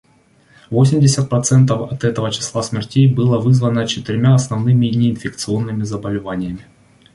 Восемьдесят процентов от этого числа смертей было вызвано четырьмя основными неинфекционными заболеваниями.